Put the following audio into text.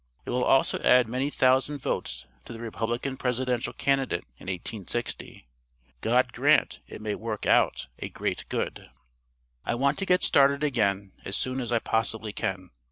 It will also add many thousand votes to the republican presidential candidate in 1860. God grant it may work out a great good!" "I Want to get started again as soon as I possibly can.